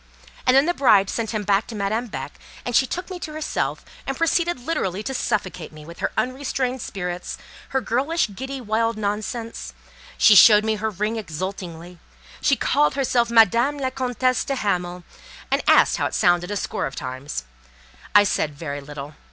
And then the bride sent him back to Madame Beck, and she took me to herself, and proceeded literally to suffocate me with her unrestrained spirits, her girlish, giddy, wild nonsense. She showed her ring exultingly; she called herself Madame la Comtesse de Hamal, and asked how it sounded, a score of times. I said very little.